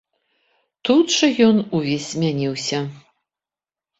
Тут жа ён увесь змяніўся.